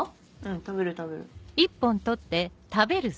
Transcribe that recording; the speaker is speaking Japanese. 食べる食べる。